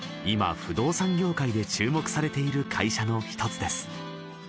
今不動産業界で注目されている会社の一つです